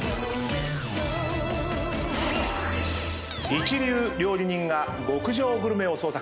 一流料理人が極上グルメを創作。